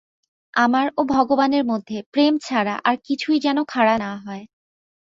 আমার ও ভগবানের মধ্যে প্রেম ছাড়া আর কিছুই যেন খাড়া না হয়।